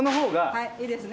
はいいいですね。